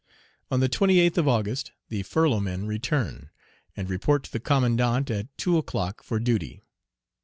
On the 28th of August the furloughmen return, and report to the commandant at two o'clock for duty.